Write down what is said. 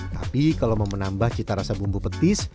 tapi kalau mau menambah cita rasa bumbu petis